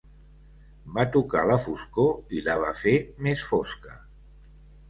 Va tocar la foscor i la va fer més fosca.